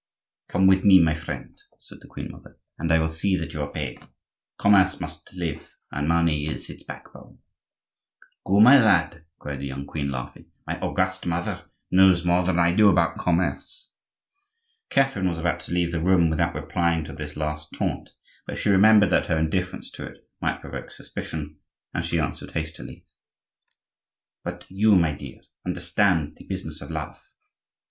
"Come with me, my friend," said the queen mother, "and I will see that you are paid. Commerce must live, and money is its backbone." "Go, my lad," cried the young queen, laughing; "my august mother knows more than I do about commerce." Catherine was about to leave the room without replying to this last taunt; but she remembered that her indifference to it might provoke suspicion, and she answered hastily:— "But you, my dear, understand the business of love."